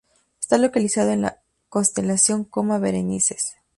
Está localizado en la constelación Coma Berenices.